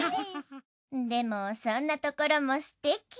でもそんなところもすてき。